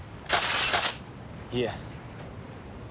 いえ。